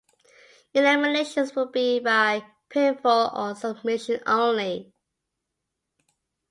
Eliminations would be by pinfall or submission only.